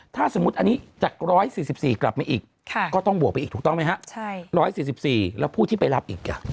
ถ้าสมมุติอันนี้จาก๑๔๔กลับมาอีกก็ต้องบวกไปอีกถูกต้องไหมฮะ๑๔๔แล้วผู้ที่ไปรับอีก